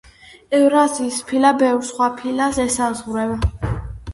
ევრაზიის ფილა ბევრ სხვა ფილას ესაზღვრება.